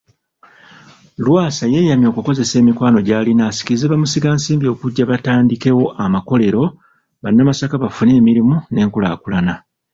Lwasa yeeyamye okukozesa emikwano gy'alina asikirize Bamusigansimbi okujja batandikewo amakolero bannamasaka bafune emirimu n'enkulaakulana.